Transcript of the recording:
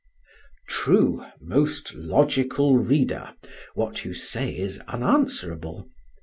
True, most logical reader; what you say is unanswerable.